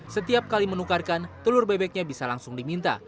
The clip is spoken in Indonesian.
setiap kali menukarkan telur bebeknya bisa langsung diminta